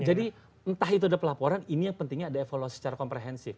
entah itu ada pelaporan ini yang pentingnya ada evaluasi secara komprehensif